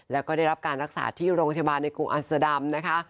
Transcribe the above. และได้รับการรักษาที่โรงพยาบาลในกรุงอันสดำนะคะ